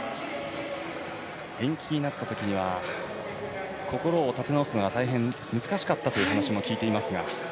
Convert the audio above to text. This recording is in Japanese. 延期になったときには心を立て直すのが大変難しかったという話も聞いていますが。